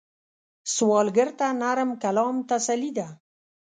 سوالګر ته نرم کلام تسلي ده